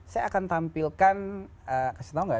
saya akan tampilkan kasih tau gak sih ya